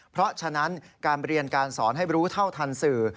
เพราะฉะนั้นการเรียนการสอนให้รู้เท่าทันสื่อ